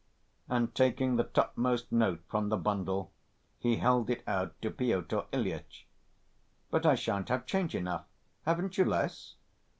And taking the topmost note from the bundle he held it out to Pyotr Ilyitch. "But I shan't have change enough. Haven't you less?"